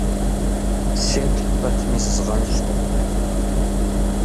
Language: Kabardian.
Сеплъ пэтми, зызгъэнщӏкъым.